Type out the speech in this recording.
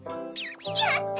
やった！